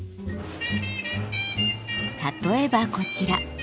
例えばこちら。